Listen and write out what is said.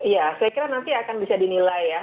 ya saya kira nanti akan bisa dinilai ya